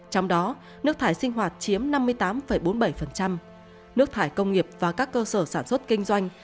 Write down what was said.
trong đó nước thải sinh hoạt chiếm năm mươi tám bốn mươi bảy nước thải công nghiệp và các cơ sở sản xuất kinh doanh